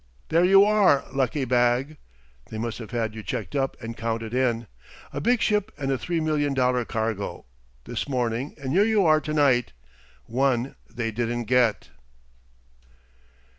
"There you are, Lucky Bag. They must have had you checked up and counted in, a big ship and a three million dollar cargo, this morning, and here you are to night one they didn't get."